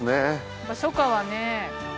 やっぱ初夏はね。